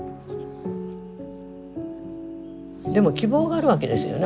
でも希望があるわけですよね